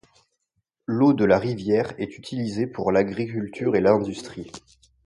L'eau de la rivière est utilisée pour l'agriculture et l'industrie.